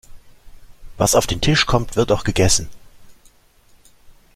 Was auf den Tisch kommt, wird auch gegessen.